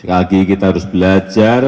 sekali lagi kita harus belajar